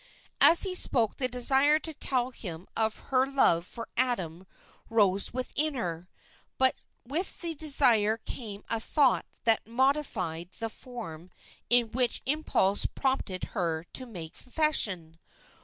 As he spoke the desire to tell him of her love for Adam rose within her, but with the desire came a thought that modified the form in which impulse prompted her to make confession.